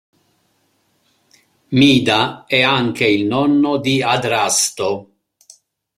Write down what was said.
Mida è anche il nonno di Adrasto.